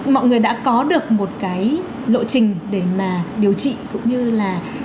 mọi người đã có được một cái lộ trình để mà điều trị cũng như là